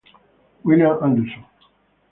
William Anderson